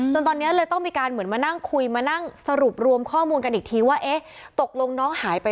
จนตอนนี้เลยต้องมีการมานั่งคุยมานั่งสรุปรวมข้อมูลกันอีกที